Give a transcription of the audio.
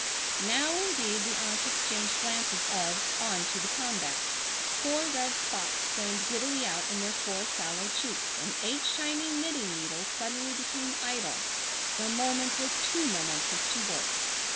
Now indeed the aunts exchanged glances of "On to the combat." Four red spots flamed giddily out in their four sallow cheeks, and eight shining knitting needles suddenly became idle. The moment was too momentous to work.